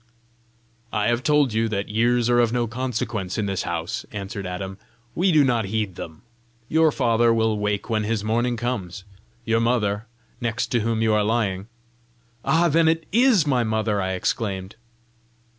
"I have told you that years are of no consequence in this house," answered Adam; "we do not heed them. Your father will wake when his morning comes. Your mother, next to whom you are lying, " "Ah, then, it IS my mother!" I exclaimed.